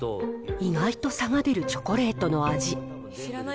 意外と差が出るチョコレートの味。